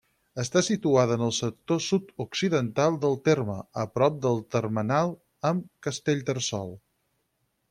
Està situada en el sector sud-occidental del terme, a prop del termenal amb Castellterçol.